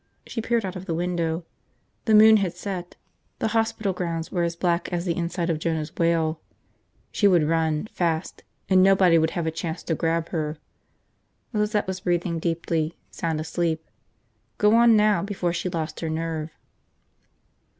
She peered out of the window. The moon had set. The hospital grounds were as black as the inside of Jonah's whale. She would run, fast, and nobody would have a chance to grab her. Lizette was breathing deeply, sound asleep. Go on now, before she lost her nerve.